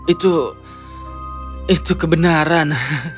itu itu kebenaran